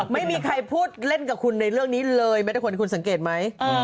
ไม่มีใครพูดเล่นกับคุณในเรื่องนี้เลยไม่ได้ควรให้คุณสังเกตไหม